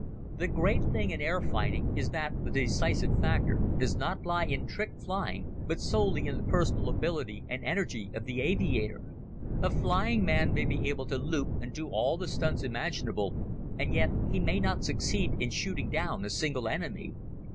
The great thing in air fighting is that the decisive factor does not lie in trick flying but solely in the personal ability and energy of the aviator. A flying man may be able to loop and do all the stunts imaginable and yet he may not succeed in shooting down a single enemy.